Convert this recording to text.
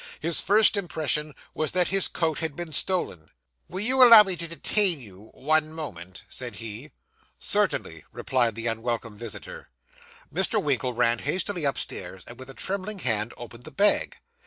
His first impression was that his coat had been stolen. 'Will you allow me to detain you one moment?' said he. 'Certainly,' replied the unwelcome visitor. Mr. Winkle ran hastily upstairs, and with a trembling hand opened the bag.